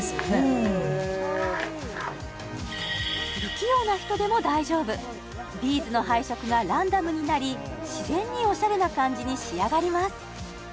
うん不器用な人でも大丈夫ビーズの配色がランダムになり自然にオシャレな感じに仕上がります